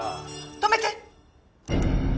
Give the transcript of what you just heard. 止めて！